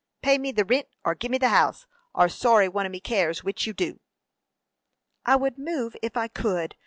Pay me the rint, or give me the house; and sorra one of me cares which you do." "I would move if I could.